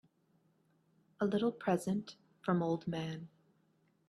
A little present from old man.